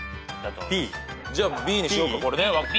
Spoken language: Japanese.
じゃあＢにしようか。